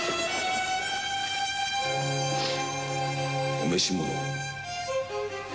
お召し物を。